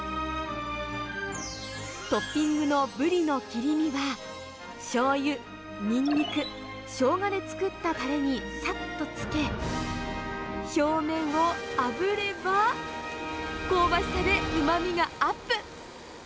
トッピングのブリの切り身は、しょうゆ、ニンニク、ショウガで作ったたれにさっとつけ、表面をあぶれば、香ばしさでうまみがアップ。